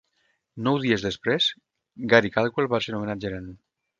Nou dies després, Gary Caldwell va ser nomenat gerent.